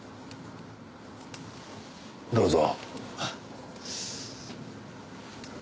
どうぞ。